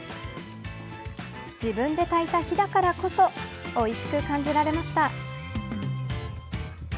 自分でたいた火だからこそおいしく感じられました。